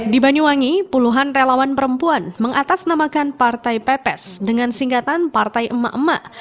di banyuwangi puluhan relawan perempuan mengatasnamakan partai pepes dengan singkatan partai emak emak